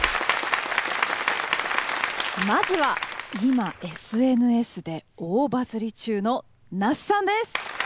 まずは今ＳＮＳで大バズり中のＮａｓｕさんです！